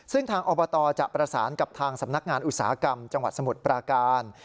ซึ่งทางอบตจะประสานกับทางสำนักงานอุตสาหกรรมจังหวัดสมุทรปราการ